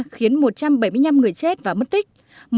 khiến một trăm bảy mươi năm người chết và mất tích